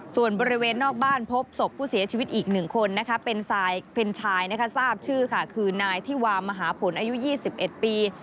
ส่วนบริเวณนอกบ้านพบศพผู้เสียชีวิตอีก๑คนเป็นชายทราบชื่อค่ะคือนายที่วามหาผลอายุ๒๑ปี